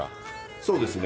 そうですね。